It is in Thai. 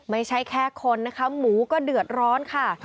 ไม่ใช่แค่คนนะคะหมูก็เดือดร้อนค่ะ